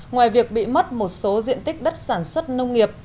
ngoài việc bị mất một số diện tích đất sản xuất nông nghiệp